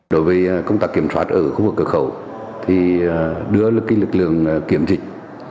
đối với công tác kiểm soát ở khu vực cửa khẩu thì đưa lực lượng kiểm dịch